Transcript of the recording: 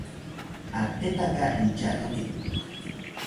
Atetaka intyatoki